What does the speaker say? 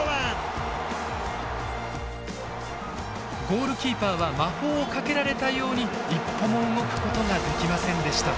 ゴールキーパーは魔法をかけられたように一歩も動くことができませんでした。